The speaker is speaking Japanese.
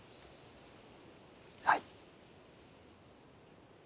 はい。